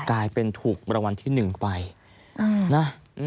กลายเป็นถูกรางวัลที่๑ไปนะ